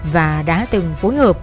và đã từng phối hợp